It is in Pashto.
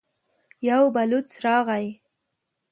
يو بلوڅ راغی.